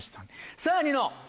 さぁニノ。